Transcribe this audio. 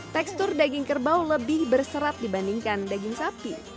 tekstur daging kerbau lebih berserat dibandingkan daging sapi